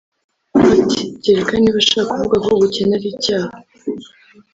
ati “kereka niba ashaka kuvuga ko gukena ari icyaha